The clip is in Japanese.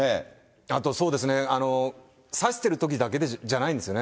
あとそうですね、指してるときだけじゃないんですよね。